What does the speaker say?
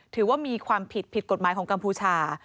ถือว่ามีความผิดผิดกฎหมายของกัมพูชา